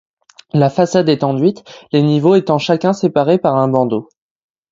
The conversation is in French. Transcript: La façade est enduite, les niveaux étant chacun séparés par un bandeau.